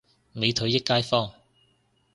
美腿益街坊